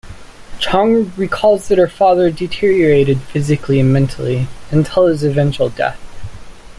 Chang recalls that her father deteriorated physically and mentally, until his eventual death.